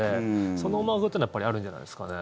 その思惑というのは、やっぱりあるんじゃないですかね。